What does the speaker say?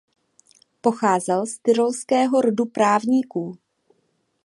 Pocházel z tyrolského rodu právníků.